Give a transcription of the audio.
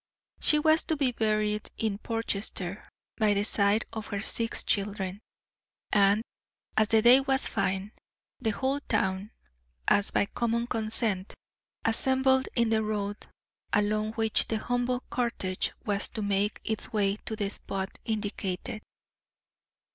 She was to be buried in Portchester, by the side of her six children, and, as the day was fine, the whole town, as by common consent, assembled in the road along which the humble cortege was to make its way to the spot indicated.